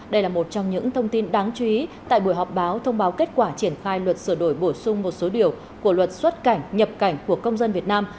đây là một trong những thông tin đáng chú ý tại buổi họp báo thông báo kết quả triển khai luật sửa đổi bổ sung một số điều của luật xuất cảnh nhập cảnh của công dân việt nam